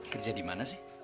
kerja di mana